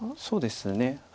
そうですね。